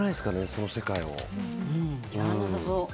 その世界。